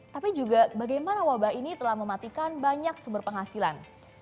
tapi juga bagaimana wabah ini telah mematikan banyak sumber penghasilan